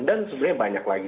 dan sebenarnya banyak lagi